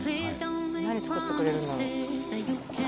何作ってくれるんだろう？